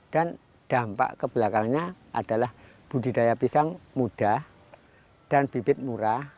dan dampak kebelakangnya adalah budidaya pisang mudah dan bibit murah